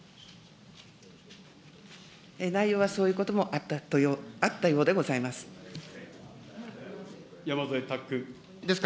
内容はそういうこともあったようでございます。